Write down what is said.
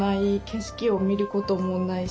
景色を見ることもない。